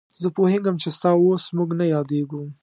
زه پوهېږم چې ستا اوس موږ نه یادېږو.